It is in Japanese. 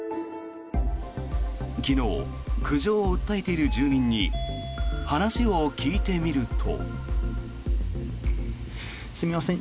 昨日、苦情を訴えている住民に話を聞いてみると。